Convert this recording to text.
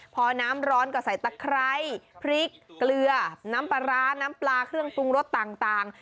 พอน้ำร้อนก็ใส่ตะไคร้พริกเกลือน้ำปลาร้าน้ำปลาเครื่องปรุงรสต่าง